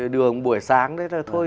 đường buổi sáng đấy thôi thì